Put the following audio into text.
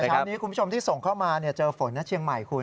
เช้านี้คุณผู้ชมที่ส่งเข้ามาเจอฝนนะเชียงใหม่คุณ